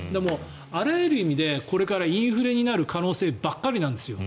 あらゆる意味でこれからインフレになる可能性ばっかりなんですよ。